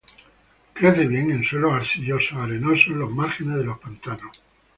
Crece bien en suelos arcillo-arenosos en los márgenes de los pantanos.